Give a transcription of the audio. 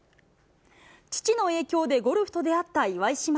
父の影響でゴルフと出会った岩井姉妹。